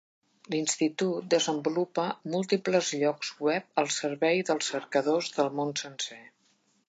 L'institut desenvolupa múltiples llocs web al servei dels cercadors del món sencer.